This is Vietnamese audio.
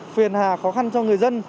phiền hà khó khăn cho người dân